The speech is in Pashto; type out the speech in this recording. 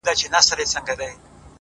هغه ليوني ټوله زار مات کړی دی!